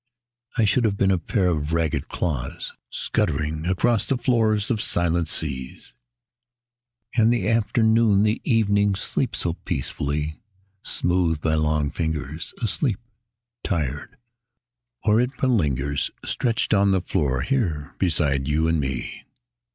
... I should have been a pair of ragged claws Scuttling across the floors of silent seas. And the afternoon, the evening, sleeps so peacefully! Smoothed by long fingers, Asleep ... tired ... or it malingers, Stretched on the floor, here beside you and me.